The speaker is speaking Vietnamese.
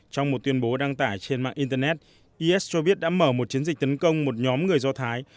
trong một tuyên bố đăng tải trên mạng internet is cho biết đã mở một chiến dịch tấn công một nhóm người do thái